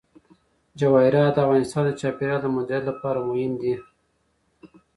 جواهرات د افغانستان د چاپیریال د مدیریت لپاره مهم دي.